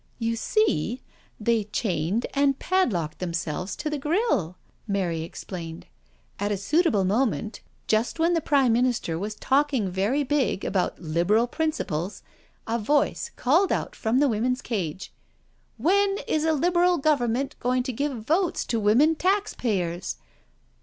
*'" You see, they chained and padlocked themselves to the grille," Mary explained. " At a suitable mo ment, just when the Prime Minister was talking very big about Liberal principles, a voice called out from the Women's Cage :' \^en is a Liberal Government going to give votes to women taxpayers?'